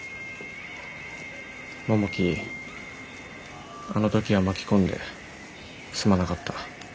桃木あの時は巻き込んですまなかった。